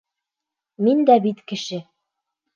Мин дә бит кеше.